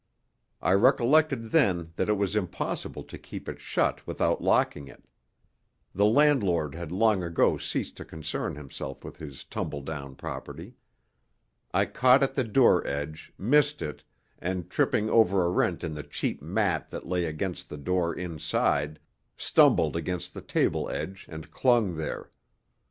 I recollected then that it was impossible to keep it shut without locking it. The landlord had long ago ceased to concern himself with his tumble down property. I caught at the door edge, missed it and, tripping over a rent in the cheap mat that lay against the door inside, stumbled against the table edge and clung there.